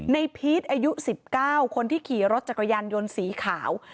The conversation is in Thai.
พีชอายุ๑๙คนที่ขี่รถจักรยานยนต์สีขาว